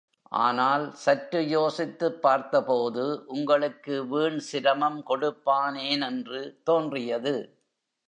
ஆனால், சற்று யோசித்துப் பார்த்த போது, உங்களுக்கு வீண் சிரமம் கொடுப்பானேன் என்று தோன்றியது.